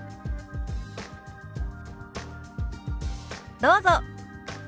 どうぞ。